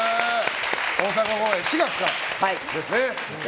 大阪公演、４月からですね。